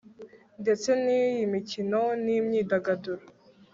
ndetse n'iy'imikino n'imyidagaduro